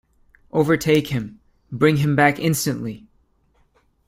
Overtake him; bring him back instantly!